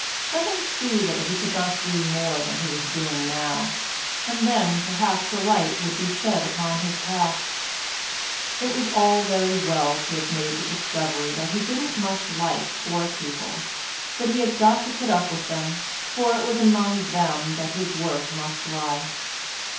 Let him see whether he could not do more than he was doing now, and then perhaps a light would be shed upon his path. It was all very well to have made the discovery that he didn't very much like poor people, but he had got to put up with them, for it was among them that his work must lie.